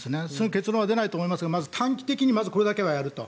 結論は出ないと思いますが短期的にはこれだけはやると。